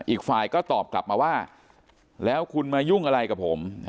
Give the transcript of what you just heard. อีกฝ่ายก็ตอบกลับมาว่าแล้วคุณมายุ่งอะไรกับผม